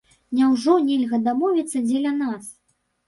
Няўжо нельга дамовіцца дзеля нас?